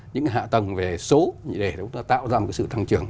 những hạ tầng về số để tạo ra một sự tăng trưởng